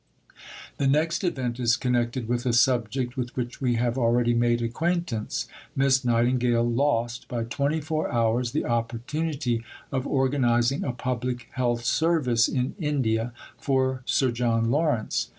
The next event is connected with a subject with which we have already made acquaintance. Miss Nightingale "lost by 24 hours the opportunity of organizing a Public Health Service in India for Sir John Lawrence."